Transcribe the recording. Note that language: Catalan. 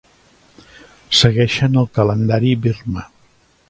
Segueixen el calendari birmà.